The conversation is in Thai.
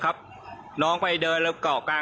ฟื้นยังฟื้นแล้วฟื้นแล้ว